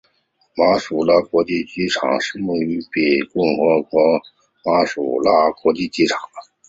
马普托国际机场是莫桑比克共和国首都马普托的国际机场。